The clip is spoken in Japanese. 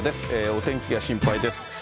お天気が心配です。